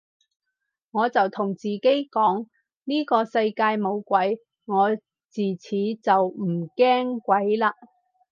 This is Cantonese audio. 我就同自己講呢個世界冇鬼，我自此就唔驚鬼嘞